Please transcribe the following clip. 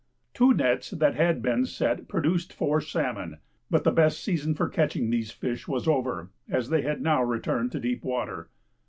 Two nets that had been set produced four salmon, but the best season for catching these fish was over, as they had now returned to deep water.